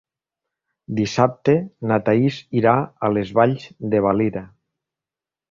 Dissabte na Thaís irà a les Valls de Valira.